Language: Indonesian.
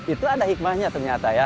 itu ada hikmahnya ternyata ya